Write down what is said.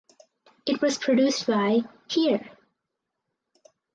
It was produced by Here!